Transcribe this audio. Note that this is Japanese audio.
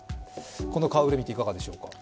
この顔ぶれを見ていかがでしょうか。